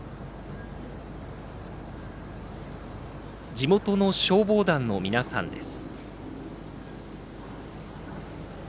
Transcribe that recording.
地元の消防団の皆さんです。